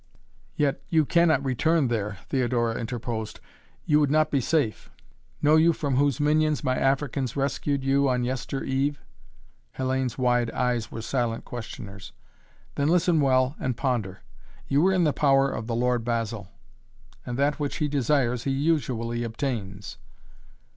"Yet you cannot return there," Theodora interposed. "You would not be safe. Know you from whose minions my Africans rescued you on yester eve?" Hellayne's wide eyes were silent questioners. "Then listen well and ponder. You were in the power of the Lord Basil. And that which he desires he usually obtains."